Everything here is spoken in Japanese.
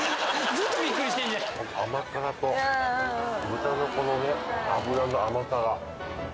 甘辛と豚のこの脂の甘さが混ざって。